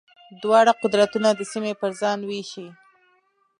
دواړه قدرتونه دې سیمې پر ځان وېشي.